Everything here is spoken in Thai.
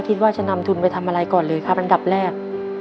คิดว่าจะนำทุนไปทำอะไรก่อนเลยครับอันดับแรก